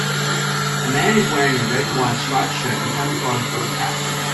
A man is wearing a red and white striped shirt and camouflage ball cap.